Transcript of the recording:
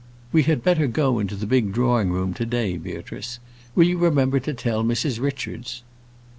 We had better go into the big drawing room to day, Beatrice. Will you remember to tell Mrs Richards?"